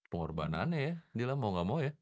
pengorbanan ya dila mau gak mau ya